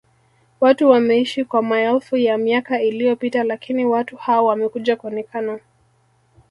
watu wameishi kwa maelfu ya miaka iliyopita lakini watu hao wamekuja kuonekana